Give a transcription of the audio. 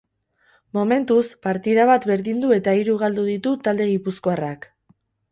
Momentuz, partida bat berdindu eta hiru galdu ditu talde gipuzkoarrak.